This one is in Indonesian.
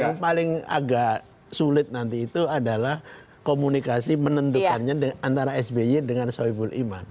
yang paling agak sulit nanti itu adalah komunikasi menentukannya antara sby dengan soebul iman